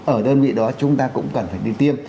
ở đơn vị đó chúng ta cũng cần phải đi tiêm